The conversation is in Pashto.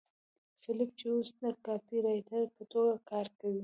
فیلیپ چې اوس د کاپيرایټر په توګه کار کوي